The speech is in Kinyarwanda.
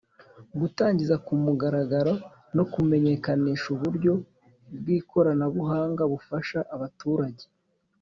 gutangiza ku mugaragaro no kumenyekanisha uburyo bw’ikoranabuhanga bufasha abaturage